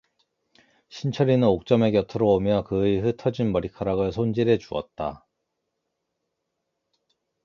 신철이는 옥점의 곁으로 오며 그의 흩어진 머리카락을 손질해 주었다.